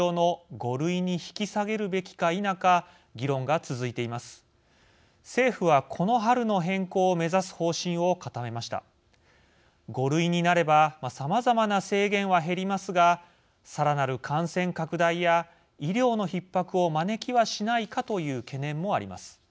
５類になればさまざまな制限は減りますがさらなる感染拡大や医療のひっ迫を招きはしないかという懸念もあります。